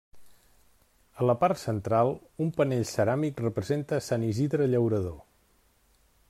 A la part central, un panell ceràmic representa a Sant Isidre Llaurador.